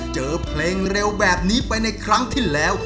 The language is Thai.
เจอเพลงเร็วแบบนี้ไปในครั้งที่แล้ว